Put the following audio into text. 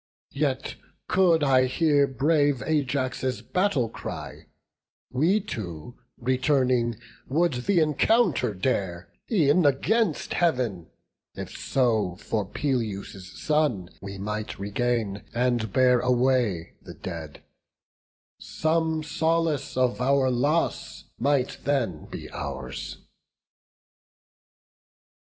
Yet could I hear brave Ajax' battle cry, We two, returning, would the encounter dare, E'en against Heav'n, if so for Peleus' son We might regain, and bear away the dead: Some solace of our loss might then be ours."